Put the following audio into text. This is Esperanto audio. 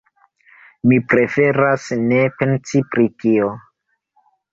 Mi preferas ne pensi pri tio.